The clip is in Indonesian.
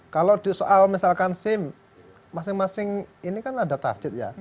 kalau di soal misalkan sim masing masing ini kan ada target ya